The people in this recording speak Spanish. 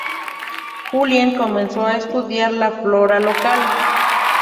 Julien comenzó a estudiar la flora local.